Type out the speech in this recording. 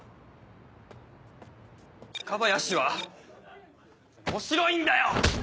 ・若林は面白いんだよ！